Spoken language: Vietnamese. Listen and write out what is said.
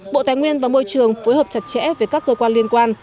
bộ tài nguyên và môi trường phối hợp chặt chẽ với các cơ quan liên quan